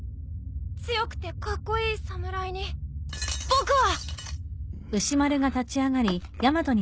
強くてカッコイイ侍に僕は。